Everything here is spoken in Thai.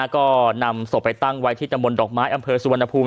ก็นำศพไปตั้งไว้ที่ตำบลดอกไม้อำเภอสุวรรณภูมิ